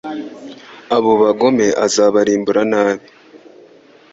"Abo bagome azabarimbura nabi,